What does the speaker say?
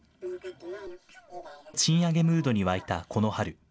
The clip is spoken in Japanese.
賃上げムードに沸いたこの春。